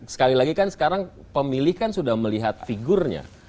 sekali lagi kan sekarang pemilih kan sudah melihat figurnya